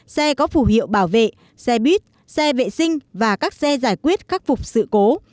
xe có phủ hiệu bảo vệ xe buýt xe vệ sinh và các xe giải quyết khắc phục sự cố